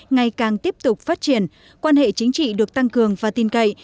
ngày càng tiếp tục phát triển quan hệ chính trị được tăng cường và tin cậy